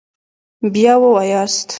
بیا ووایاست